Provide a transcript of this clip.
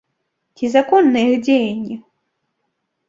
Ці законныя іх дзеянні?